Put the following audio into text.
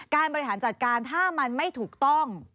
บริหารจัดการถ้ามันไม่ถูกต้อง